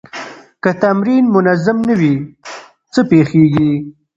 که تمرین منظم نه وي، څه پېښېږي؟